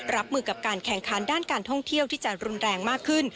รับมือกับการแข่งขันด้านการท่องเที่ยวที่จะรุนแรงมากขึ้น